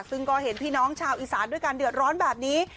ซึ่งก็เห็นพี่น้องชาวอีสานด้วยการเดือดร้อนแบบนี้